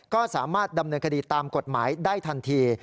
ก็สามารถดำเนินคดีตามกฎหมายได้ทันที